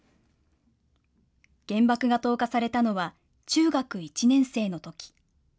原爆が投下されたのは、中学１年生のとき。